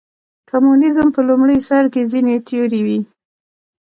کمونیزم په لومړي سر کې ځینې تیورۍ وې.